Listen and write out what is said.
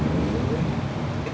itu nggak betul